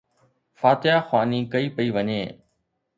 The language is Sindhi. فاتحه خواني ڪئي پئي وڃي